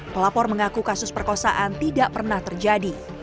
pelapor mengaku kasus perkosaan tidak pernah terjadi